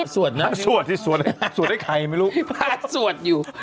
พระสวดนะสวดสิสวดให้ใครไม่รู้